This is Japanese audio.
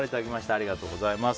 ありがとうございます。